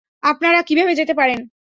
আপনারা কিভাবে যেতে পারেন?